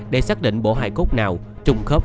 để xác định bộ hai cốt nào trùng khớp